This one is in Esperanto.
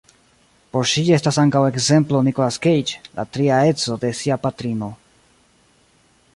Por ŝi estas ankaŭ ekzemplo Nicolas Cage, la tria edzo de sia patrino.